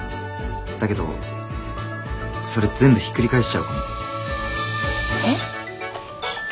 だけどそれ全部ひっくり返しちゃうかも。え？